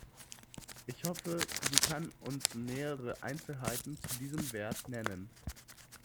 Ich hoffe, sie kann uns nähere Einzelheiten zu diesem Wert nennen.